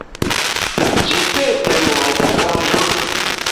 Nji pé té ne nku’njù.